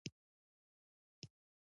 پر ما غټ دي د مُلا اوږده بوټونه